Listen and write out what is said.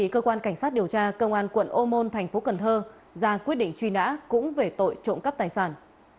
cơ quan cảnh sát điều tra công an quận ô môn thành phố cần thơ ra quyết định truy nã cũng về tội trộm cắp tài sản